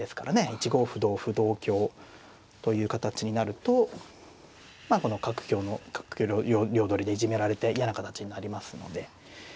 １五歩同歩同香という形になるとこの角香の角香両取りでいじめられて嫌な形になりますので。